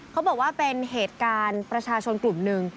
เขาบอกว่าเป็นเหตุการณ์ประชาชนกลุ่มหนึ่ง